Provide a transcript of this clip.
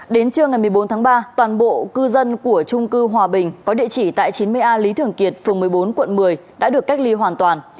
đến trưa ngày một mươi bốn tháng ba toàn bộ cư dân của trung cư hòa bình có địa chỉ tại chín mươi a lý thường kiệt phường một mươi bốn quận một mươi đã được cách ly hoàn toàn